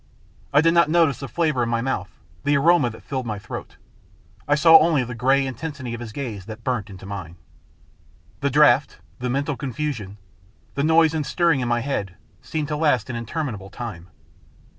I did not notice the flavour in my mouth, the aroma that filled my throat; I saw only the grey intensity of his gaze that burnt into mine. The draught, the mental con fusion, the noise and stirring in my head, seemed to last an interminable time.